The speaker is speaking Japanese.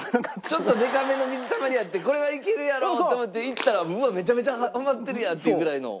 ちょっとでかめの水たまりあってこれはいけるやろと思っていったらうわっめちゃめちゃはまってるやんっていうぐらいの。